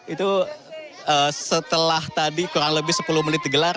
itu setelah tadi kurang lebih sepuluh menit digelar